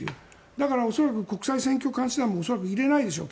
だから恐らく国際選挙監視団も入れないでしょう